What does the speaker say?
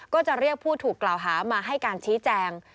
ก็จะเรียกผู้ถูกกล่าวหามาให้การชี้แจง